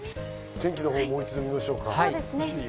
天気をもう一度見ましょうか。